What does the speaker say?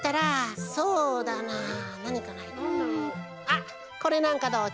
あっこれなんかどう？